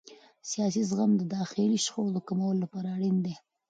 سیاسي زغم د داخلي شخړو د کمولو لپاره اړین دی